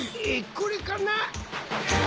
これかな？